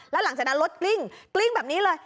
แล้วหลังจากนั้นรถกลิ้งกลิ้งแบบนี้เลย